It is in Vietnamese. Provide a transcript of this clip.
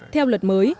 theo luật mới